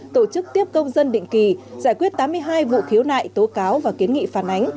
tổ chức tiếp công dân định kỳ giải quyết tám mươi hai vụ khiếu nại tố cáo và kiến nghị phản ánh